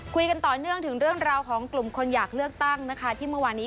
คุยกันต่อเนื่องถึงเรื่องราวของกลุ่มคนอยากเลือกตั้งนะคะที่เมื่อวานนี้